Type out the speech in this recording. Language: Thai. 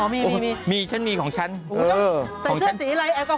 อ้อมีมีมีของฉันใส่เสื้อสีไลน์แอลกอพอดส์